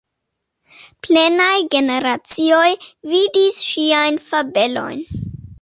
Plenaj generacioj vidis ŝiajn fabelojn.